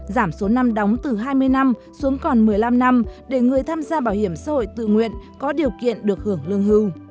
giảm số năm đóng từ hai mươi năm xuống còn một mươi năm năm để người tham gia bảo hiểm xã hội tự nguyện có điều kiện được hưởng lương hưu